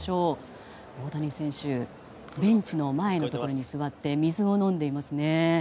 大谷選手ベンチの前のところに座って水を飲んでいますね。